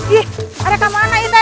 ih ada ke mana ini